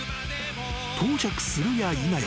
［到着するやいなや